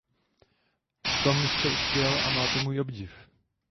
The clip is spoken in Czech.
V tom jste uspěl a máte můj obdiv.